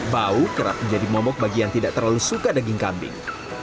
bau kerap menjadi momok bagi yang tidak terlalu suka daging kambing